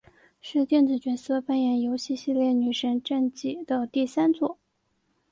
是电子角色扮演游戏系列女神战记的第三作。